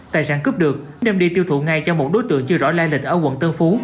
tài sản cướp được đem đi tiêu thụ ngay cho một đối tượng chưa rõ lai lịch ở quận tân phú